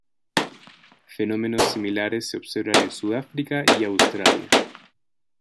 Fenómenos similares se observan en Sudáfrica y en Australia.